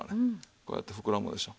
こうやって膨らむでしょう。